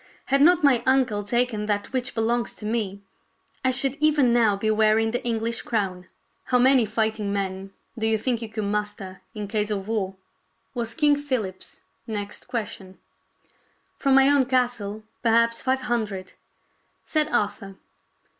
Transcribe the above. Had not my uncle taken that which belongs to me, I should even now be wearing the English crown." " How many fighting men do you think you could muster in case of war.?" was King Philip's next question. "From my own castle, perhaps five hundred," said Arthur.